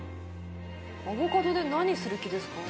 アボカドで何する気ですか？